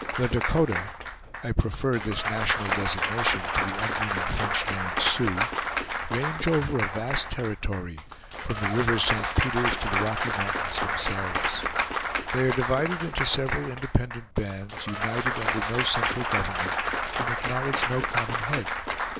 The Dakota (I prefer this national designation to the unmeaning French name, Sioux) range over a vast territory, from the river St. Peter's to the Rocky Mountains themselves. They are divided into several independent bands, united under no central government, and acknowledge no common head.